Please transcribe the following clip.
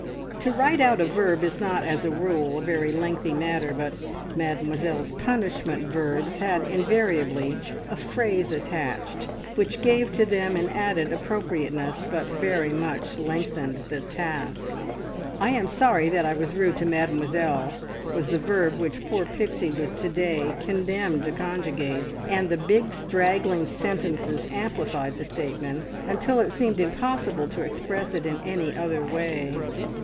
To write out a verb is not, as a rule, a very lengthy matter, but Mademoiselle's punishment verbs had invariably a phrase attached which gave to them an added appropriateness, but very much lengthened the task. "I am sorry that I was rude to Mademoiselle" was the verb which poor Pixie was to day condemned to conjugate, and the big straggling sentences amplified the statement until it seemed impossible to express it in any other way.